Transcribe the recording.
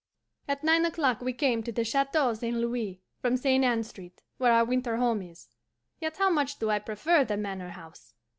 "At nine o'clock we came to the Chateau St. Louis from Ste. Anne Street, where our winter home is yet how much do I prefer the Manor House!